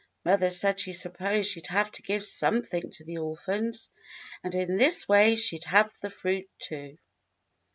Mother said she supposed she 'd have to give something to the orphans, and in this way she'd have the fruit, too."